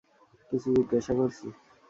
কিছু জিজ্ঞাসা করছি।